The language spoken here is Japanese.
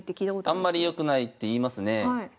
あんまりよくないっていいますね。